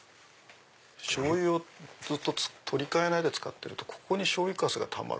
しょうゆをずっと取り換えないで使ってるとここにしょうゆカスがたまる。